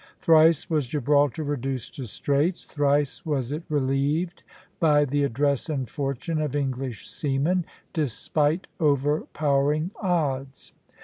Thrice was Gibraltar reduced to straits; thrice was it relieved by the address and fortune of English seamen, despite overpowering odds.